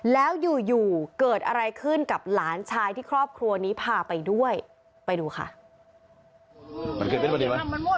แล้วอยู่เกิดอะไรขึ้นกับหลานชายที่ครอบครัวนี้พาไปด้วย